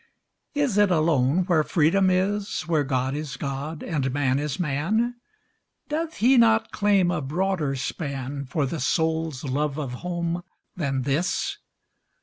Is it alone where freedom is, Where God is God and man is man? Doth he not claim a broader span For the soul's love of home than this?